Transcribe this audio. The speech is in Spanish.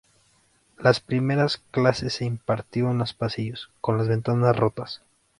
Las primeras clase se impartió en los pasillos, con la ventanas rotas.